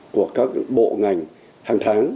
của các bộ ngành hàng tháng